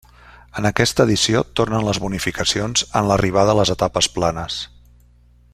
En aquesta edició tornen les bonificacions en l'arribada a les etapes planes.